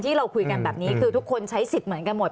ที่เราคุยกันแบบนี้คือทุกคนใช้สิทธิ์เหมือนกันหมด